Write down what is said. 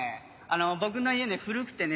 僕の家ね古くてね